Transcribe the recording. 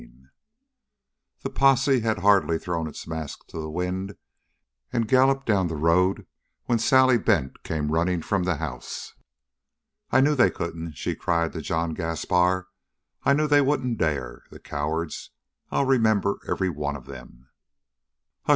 10 The posse had hardly thrown its masks to the wind and galloped down the road when Sally Bent came running from the house. "I knew they couldn't," she cried to John Gaspar. "I knew they wouldn't dare. The cowards! I'll remember every one of them!" "Hush!"